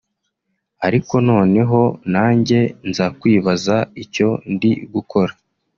ariko noneho nanjye nza kwibaza icyo ndi gukora